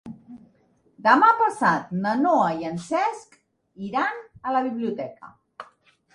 Demà passat na Noa i en Cesc iran a la biblioteca.